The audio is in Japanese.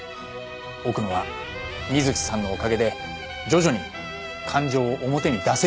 奥野は美月さんのおかげで徐々に感情を表に出せるようになったんです。